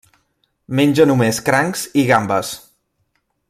Menja només crancs i gambes.